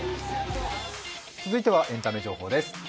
続いてはエンタメ情報です。